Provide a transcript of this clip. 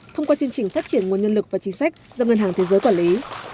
thông qua chương trình phát triển nguồn nhân lực và chính sách do ngân hàng thế giới quản lý